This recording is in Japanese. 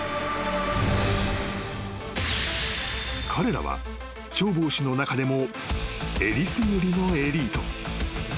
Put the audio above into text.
［彼らは消防士の中でもえりすぐりのエリート］